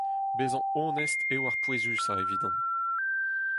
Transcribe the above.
Bezañ onest eo ar pouezusañ evidon.